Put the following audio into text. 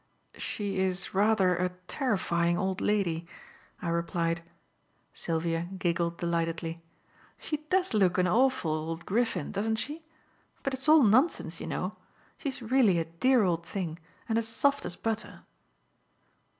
"She is rather a terrifying old lady," I replied. Sylvia giggled delightedly. "She does look an awful old griffin, doesn't she? But it's all nonsense, you know. She is really a dear old thing, and as soft as butter."